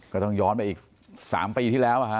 ก็ต้องย้อนไปอีก๓ปีที่แล้ว